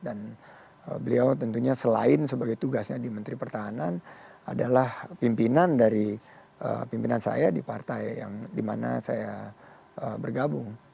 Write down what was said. dan beliau tentunya selain sebagai tugasnya di menteri pertahanan adalah pimpinan dari pimpinan saya di partai yang di mana saya bergabung